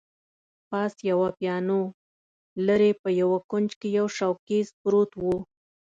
پاس یوه پیانو، لیري په یوه کونج کي یو شوکېز پروت وو.